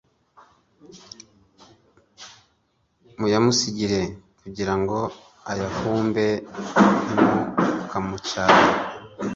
muyamusigire kugira ngo ayahumbe ntimukamucyahe